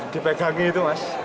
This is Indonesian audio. dipegangi itu mas